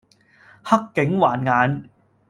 黑警還眼